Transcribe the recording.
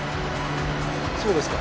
そうですか。